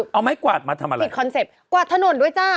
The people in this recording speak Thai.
เอาไม้กวาดมาทำอะไรผิดคอนเซ็ปต์กวาดถนนด้วยจ้า